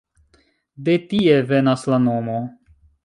De tie venas la nomo.